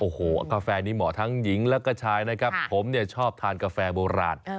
โอ้โหกาแฟนี้เหมาะทั้งหญิงแล้วก็ชายนะครับผมเนี่ยชอบทานกาแฟโบราณ